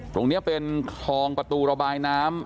ตรงนี้เป็นคลองประตูระบายน้ำ